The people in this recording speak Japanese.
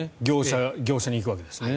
業者に行くわけですね。